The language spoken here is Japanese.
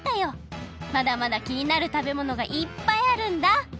まだまだきになるたべものがいっぱいあるんだ。